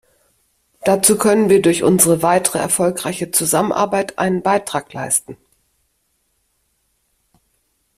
Dazu können wir durch unsere weitere erfolgreiche Zusammenarbeit einen Beitrag leisten.